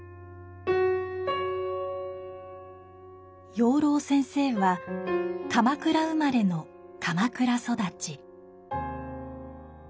養老センセイは鎌倉生まれの鎌倉育ち。